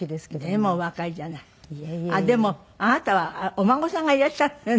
あっでもあなたはお孫さんがいらっしゃるのよね。